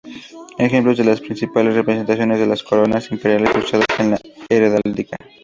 Ejemplos de las principales representaciones de las coronas imperiales usadas en heráldica.